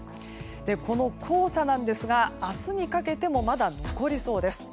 この黄砂なんですが明日にかけてもまだ残りそうです。